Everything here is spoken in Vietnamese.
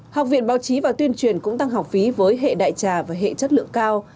học viện báo chí và tuyên truyền cũng tăng học phí với hệ đại trà và hệ chất lượng cao